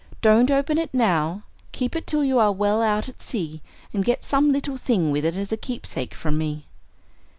"Don't open it now. Keep it till you are well out at sea, and get some little thing with it as a keepsake from me."